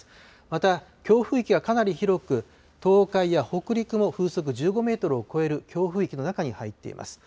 また強風域はかなり広く、東海や北陸も風速１５メートルを超える強風域の中に入っています。